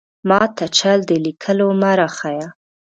ماته چل د ليکلو مۀ راښايه!